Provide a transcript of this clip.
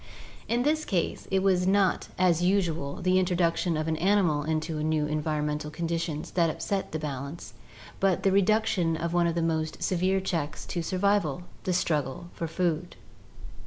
In this case, it was not, as usual, the introduction of an animal into new environmental conditions that upset the balance, but the reduction of one of the most severe checks to survival, the struggle for food.